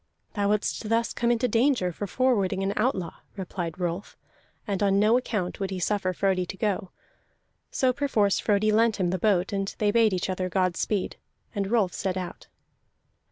"Thou wouldst thus come into danger for forwarding an outlaw," replied Rolf, and on no account would he suffer Frodi to go. So perforce Frodi lent him the boat, and they bade each other God speed, and Rolf set out.